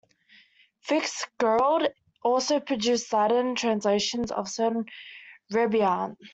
FitzGerald also produced Latin translations of certain rubaiyat.